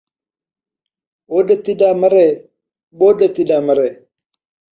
اُݙ تݙا مرے، ٻݙ تݙا مرے